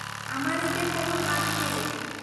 আমার এতে কোনো হাত নেই।